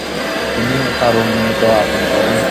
তিনি কারুমিনীতি আপন করেন।